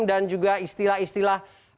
dan juga istilah istilah